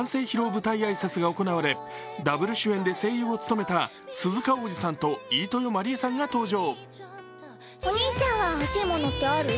舞台挨拶が行われダブル主演で声優を務めた鈴鹿央士さんと飯豊まりえさんが登場。